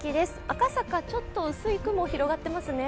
赤坂、ちょっと薄い雲が広がっていますね。